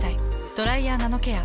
「ドライヤーナノケア」。